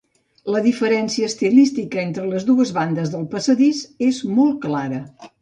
La diferència estilística entre les dues bandes del passadís és molt clara.